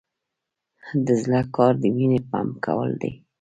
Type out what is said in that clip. د زړه کار د وینې پمپ کول دي